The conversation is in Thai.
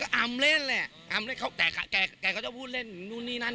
อำเล่นแหละอำเล่นเขาแต่แกก็จะพูดเล่นนู่นนี่นั่น